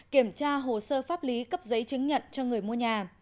kiểm tra hồ sơ pháp lý cấp giấy chứng nhận cho người mua nhà